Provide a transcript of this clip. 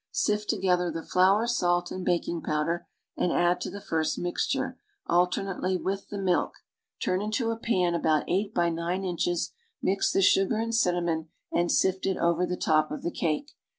Sift together th« flour salt and baking powder and add to the first mixture, alternately, with the milk. Turn into a pan about 8x9 inches; mix the sugar and cinnamon and sift it over the top of the cake.